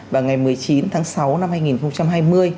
và ngày một mươi chín tháng sáu năm hai nghìn hai mươi